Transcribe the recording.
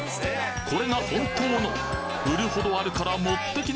これが本当の売るほどあるから持ってきな！